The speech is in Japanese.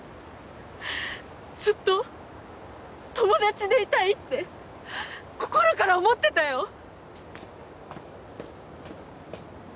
ずっと友達でいたいって心から思ってたよ！